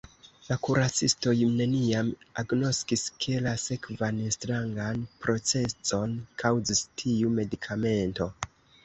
La kuracistoj neniam agnoskis, ke la sekvan strangan procezon kaŭzis tiu medikamento.